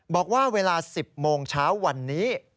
บอกว่าเวลา๑๐โมงเช้าวันนี้